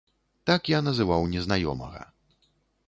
Так я называў незнаёмага.